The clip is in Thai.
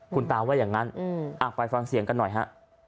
คุณตาว่าอย่างนั้นไปฟังเสียงกันหน่อยฮะ